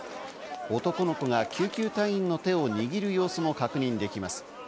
男の子が救急隊員の手を握る様子も確認できます。